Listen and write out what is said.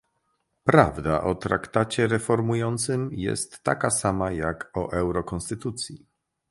Prawda o Traktacie Reformującym jest taka sama jak o Euro-konstytucji